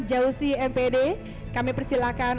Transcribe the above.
jauhsi mpd kami persilahkan